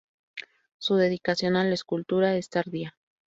Su dedicación a la escultura es tardía.